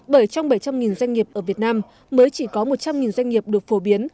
bởi trong bảy trăm linh doanh nghiệp ở việt nam mới chỉ có một trăm linh doanh nghiệp được phổ biến